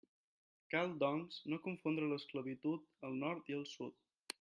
Cal, doncs, no confondre l'esclavitud al Nord i al Sud.